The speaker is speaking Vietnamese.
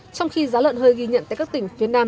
trong khi giá lợn hơi ghi nhận tại các tỉnh phía nam tiếp đạt